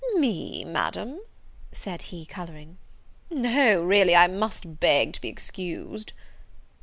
"Me, Madam!" said he, colouring; "no, really I must beg to be excused."